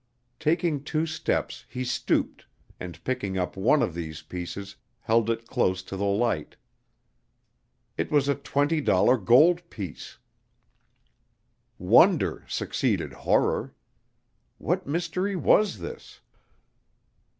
Taking two steps he stooped, and picking up one of these pieces held it close to the light. It was a twenty dollar gold piece! Wonder succeeded horror! What mystery was this?